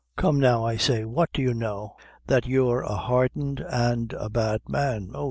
come now; I say, what do you know?" "That you're a hardened and a bad man: oh!